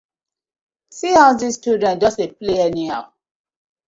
See all dis children just dey play anyhow.